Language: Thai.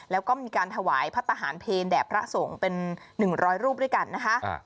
แล้วก็มีการถวายพระทหารเพลแด่พระสงฆ์เป็น๑๐๐รูปด้วยกันนะคะ